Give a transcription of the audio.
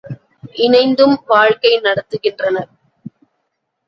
இணைந்தும் வாழ்க்கை நடத்துகின்றனர்.